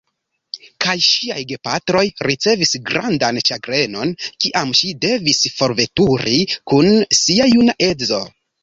Kaj ŝiaj gepatroj ricevis grandan ĉagrenon, kiam ŝi devis forveturi kun sia juna edzo.